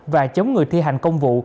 và chống người thi hành công vụ